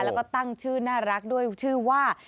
แล้วก็ตั้งชื่อน่ารักด้วยชื่อว่า